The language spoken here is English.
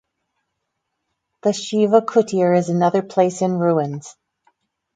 The Shiva kutir is another place in ruins.